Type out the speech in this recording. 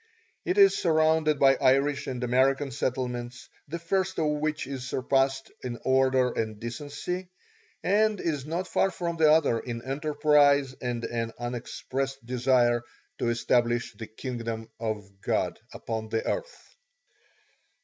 It is surrounded by Irish and American settlements, the first of which it surpasses in order and decency, and is not far from the other in enterprise and an unexpressed desire to establish the kingdom of God upon the earth.